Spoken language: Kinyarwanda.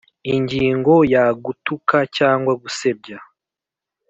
Ingingo ya gutuka cyangwa gusebya